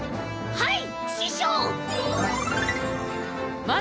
はい！